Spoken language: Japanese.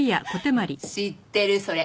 知ってるそれ。